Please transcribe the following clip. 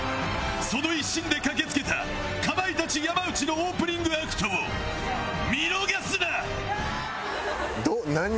「その一心で駆け付けたかまいたち山内のオープニングアクトを見逃すな！」